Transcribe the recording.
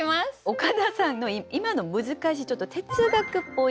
岡田さんの今の難しいちょっと哲学っぽい